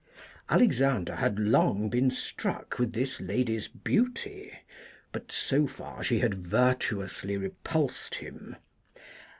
Alexander had long been struck with this lady's beauty, but so far she had virtuously repulsed him.